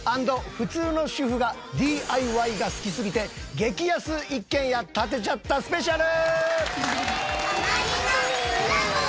普通の主婦がＤＩＹが好きすぎて激安一軒家建てちゃったスペシャル！」